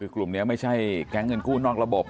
กลุ่มนี้ไม่ใช่แก๊งเงินกู้นอกระบบ